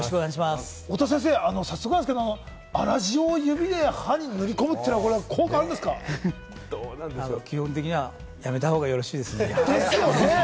早速なんですが、粗塩を指で歯に塗りこむというのは効果ある基本的にはやめたほうがよろですよね！